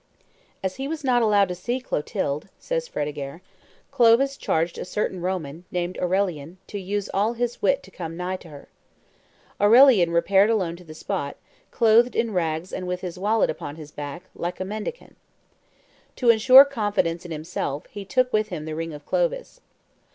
"As he was not allowed to see Clotilde," says Fredegaire, "Clovis charged a certain Roman, named Aurelian, to use all his wit to come nigh her. Aurelian repaired alone to the spot, clothed in rags and with his wallet upon his back, like a mendicant. To insure confidence in himself he took with him the ring of Clovis.